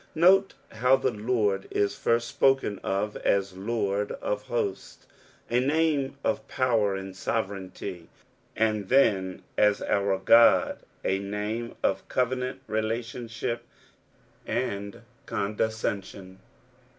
Note how the Lord is first spoken of as Lord ^ hoiti, a name of power and sovereignty, and then as oitr God, a name of covenant relation and condescension.